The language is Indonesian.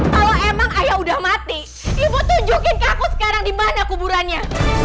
kalau emang ayah udah mati ibu tunjukin kamu sekarang di mana kuburannya